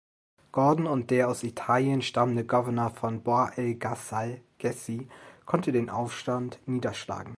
Gordon und der aus Italien stammende Gouverneur von Bahr-el-Gazal, Gessi, konnten den Aufstand niederschlagen.